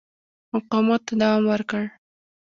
مقاومت ته دوام ورکړ.